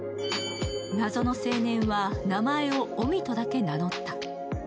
謎の青年は名前を臣とだけ名乗った。